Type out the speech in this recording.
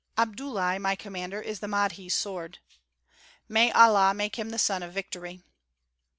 "Abdullahi my commander is the Mahdi's sword." "May Allah make him the son of victory."